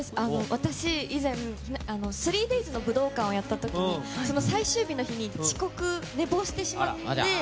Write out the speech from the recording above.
私、以前スリーデイズの武道館をやった時に最終日の日に遅刻寝坊してしまって。